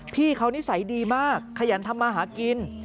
พี่เขานิสัยดีมากขยันทำมาหากิน